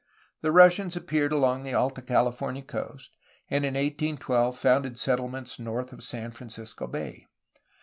The Russians appeared along the Alta California coast, and in 1812 founded settlements north of San Francisco Bay.